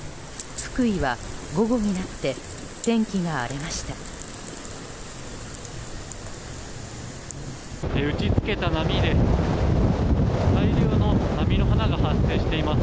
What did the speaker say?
福井は午後になって天気が荒れました。